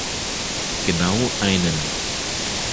Genau einen.